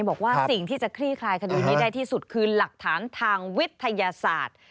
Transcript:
บอกว่าสิ่งที่จะคลี่คลายคดีนี้ได้ที่สุดคือหลักฐานทางวิทยาศาสตร์